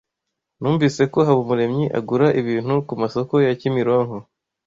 Numvise ko Habumuremyi agura ibintu kumasoko yakimironko.